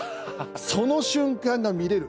その瞬間が見れる。